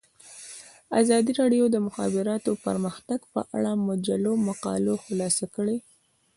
ازادي راډیو د د مخابراتو پرمختګ په اړه د مجلو مقالو خلاصه کړې.